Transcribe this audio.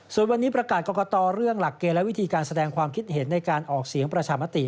ส่วนวันนี้ประกาศกรกตเรื่องหลักเกณฑ์และวิธีการแสดงความคิดเห็นในการออกเสียงประชามติ